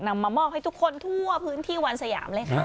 มามอบให้ทุกคนทั่วพื้นที่วันสยามเลยค่ะ